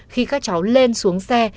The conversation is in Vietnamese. khi các cháu lên xuống xe